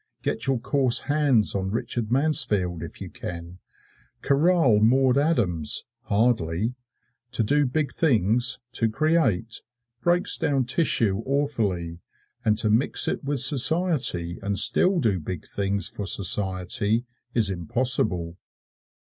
Get your coarse hands on Richard Mansfield if you can! Corral Maude Adams hardly. To do big things, to create, breaks down tissue awfully, and to mix it with society and still do big things for society is impossible.